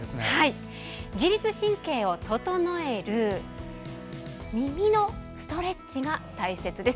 自律神経を整える耳のストレッチが大切です。